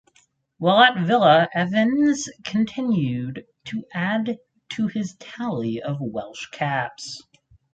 While at Villa Evans continued to add to his tally of Welsh caps.